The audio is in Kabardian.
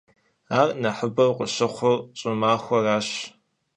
Ар нэхъыбэу къыщыхъур щӀымахуэращ.